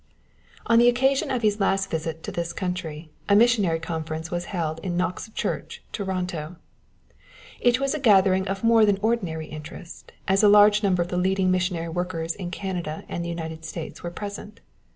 On the occasion of his last visit to this country, a missionary conference was held in Knox Church, Toronto. It was a gathering of more than ordinary interest, as a large number of the leading missionary workers in Canada and the United States were present.